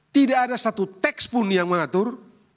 tidak ada satu teks pun yang mengatur